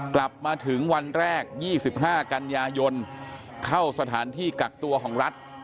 กลับมาถึงวันแรก๒๕กันยายนเข้าสถานที่กักตัวของรัฐ